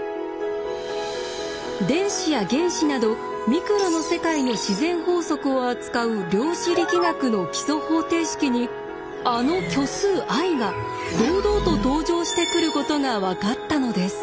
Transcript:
電子や原子などミクロの世界の自然法則を扱う量子力学の基礎方程式にあの虚数ｉが堂々と登場してくることが分かったのです。